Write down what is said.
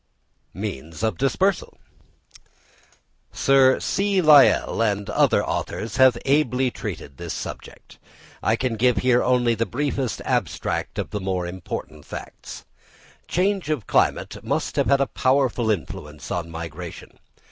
Means of Dispersal. Sir C. Lyell and other authors have ably treated this subject. I can give here only the briefest abstract of the more important facts. Change of climate must have had a powerful influence on migration.